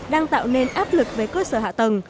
đang tạo nên áp lực về cơ sở hạ tầng